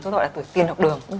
cái tuổi đó là tuổi tiên học đường